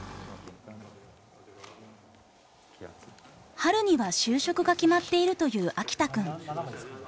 春には就職が決まっているという秋田くん。